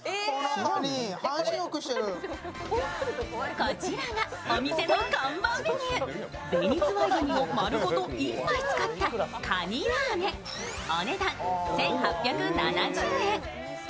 こちらがお店の看板メニュー、ベニズワイガニを丸ごと一杯使ったかにラーメン、お値段１８７９円。